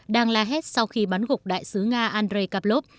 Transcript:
đang là hết sau khi bắn gục đại sứ nga andrei kalop